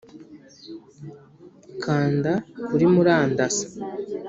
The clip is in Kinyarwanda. kanda kuri murandasi